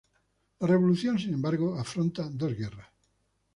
La revolución sin embargo afronta dos guerras.